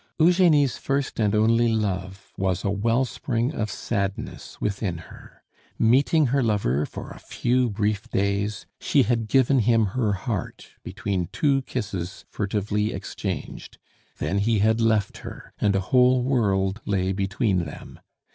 Eugenie's first and only love was a wellspring of sadness within her. Meeting her lover for a few brief days, she had given him her heart between two kisses furtively exchanged; then he had left her, and a whole world lay between them.